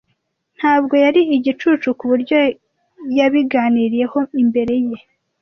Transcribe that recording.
Ntabwo yari igicucu ku buryo yabiganiriyeho imbere ye.